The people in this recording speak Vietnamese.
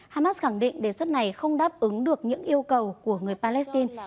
hamas khẳng định đề xuất này không đáp ứng được những yêu cầu của người palestine